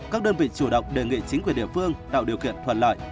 các đơn vị chủ động đề nghị chính quyền địa phương tạo điều kiện thuận lợi